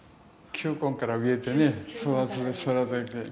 球根から植えてね育てて。